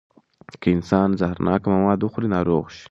که انسان زهرناکه مواد وخوري، ناروغ شي.